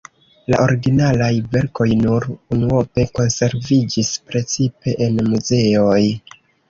La originalaj verkoj nur unuope konserviĝis, precipe en muzeoj.